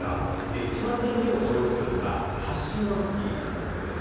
一番、燃料を消費するのが発進のときなんだそうです。